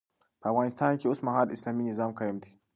په افغانستان کي اوسمهال اسلامي نظام قايم دی